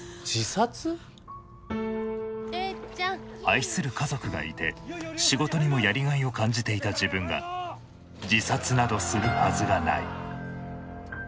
愛する家族がいて仕事にもやりがいを感じていた自分が自殺などするはずがない。